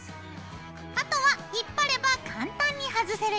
あとは引っ張れば簡単にはずせるよ。